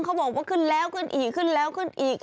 เขาบอกว่าขึ้นแล้วขึ้นอีกขึ้นแล้วขึ้นอีก